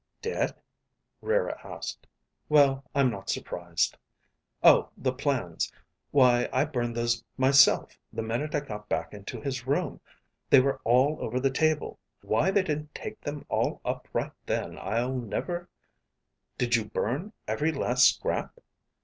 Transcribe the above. "Dead?" Rara asked. "Well, I'm not surprised. Oh, the plans! Why I burned those myself the minute I got back into his room. They were all over the table; why they didn't take them all up right then, I'll never " "Did you burn every last scrap?"